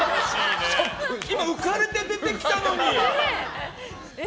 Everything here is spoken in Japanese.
今、浮かれて出てきたのに！